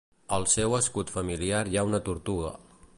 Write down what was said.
Al seu escut familiar hi ha una tortuga.